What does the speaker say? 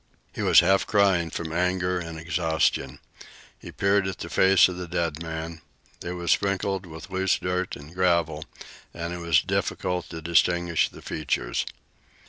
He was half crying from anger and exhaustion. He peered at the face of the dead man. It was sprinkled with loose dirt and gravel, and it was difficult to distinguish the features.